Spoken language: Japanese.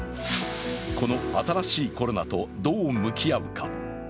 この新しいコロナとどう向き合うか。